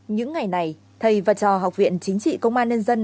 những ngày này thầy và trò học viện chính trị công an nhân dân